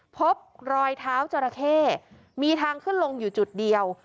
พบรอยเท้าจราเข้มีทางขึ้นลงอยู่จุดเดียว